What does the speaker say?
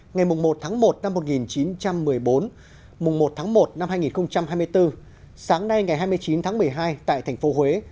ngày một tháng một năm một nghìn chín trăm một mươi bốn một tháng một năm hai nghìn hai mươi bốn sáng nay ngày hai mươi chín tháng một mươi hai tại thành phố huế